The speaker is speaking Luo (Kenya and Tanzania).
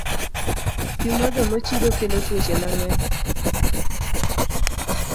Pi modho mochido kelo tuoche mang'eny.